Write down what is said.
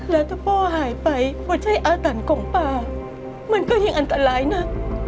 แล้วถ้าพ่อหายไปบนใช้อาตรรของป่ามันก็ยังอันตรายน่ะ